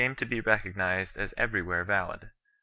329 recognised as everywhere valid.